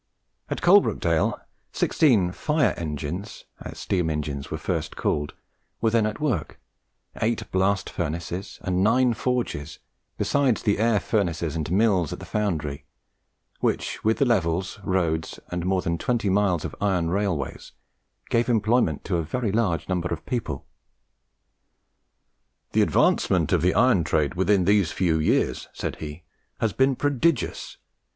At Coalbrookdale, sixteen "fire engines," as steam engines were first called, were then at work, eight blast furnaces and nine forges, besides the air furnaces and mills at the foundry, which, with the levels, roads, and more than twenty miles of iron railways, gave employment to a very large number of people. "The advancement of the iron trade within these few years," said he, "has been prodigious.